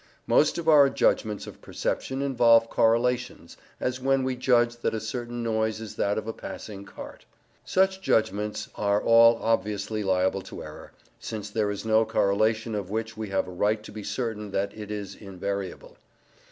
Most of our judgments of perception involve correlations, as when we judge that a certain noise is that of a passing cart. Such judgments are all obviously liable to error, since there is no correlation of which we have a right to be certain that it is invariable.